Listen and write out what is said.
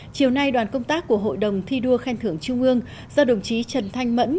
chiều nay đoàn công tác của hội đồng thi đua khen thưởng trung ương do đồng chí trần thanh mẫn